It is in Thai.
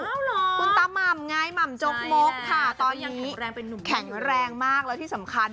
คุณตาม่ำไงหม่ำจกมกค่ะตอนนี้แข็งแรงมากแล้วที่สำคัญ